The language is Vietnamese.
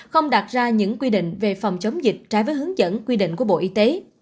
không đặt ra những quy định về phòng chống dịch trái với hướng dẫn quy định của bộ y tế